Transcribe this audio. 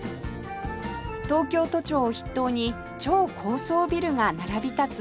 東京都庁を筆頭に超高層ビルが並び立つ